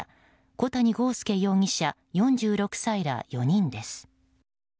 小谷剛介容疑者、４６歳ら４人です。